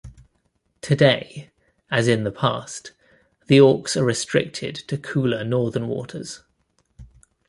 Today, as in the past, the auks are restricted to cooler northern waters.